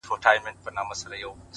• له ټوخي یې په عذاب کلی او کور وو,